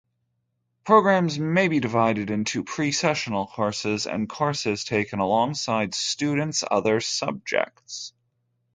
Programs may be divided into pre-sessional courses and courses taken alongside students' other subjects.